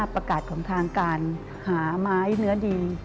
ประกาศของทางการหาไม้เนื้อดี